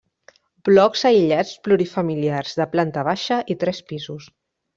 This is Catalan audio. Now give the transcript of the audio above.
Blocs aïllats plurifamiliars, de planta baixa i tres pisos.